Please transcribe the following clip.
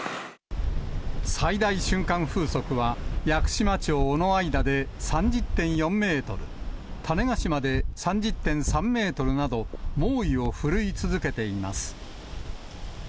最大瞬間風速は屋久島町尾之間で３０．４メートル、種子島で３０．３メートルなど、猛威を振るい続けています。